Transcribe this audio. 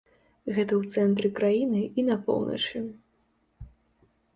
Гэта ў цэнтры краіны і на поўначы.